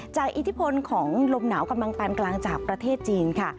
อิทธิพลของลมหนาวกำลังปานกลางจากประเทศจีนค่ะ